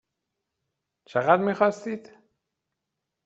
چقدر میخواستید؟